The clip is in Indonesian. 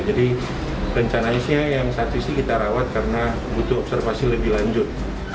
jadi rencana isinya yang satu sih kita rawat karena butuh observasi lebih lanjut